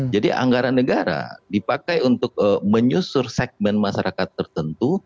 jadi anggaran negara dipakai untuk menyusur segmen masyarakat tertentu